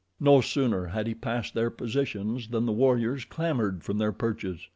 No sooner had he passed their positions than the warriors clambered from their perches.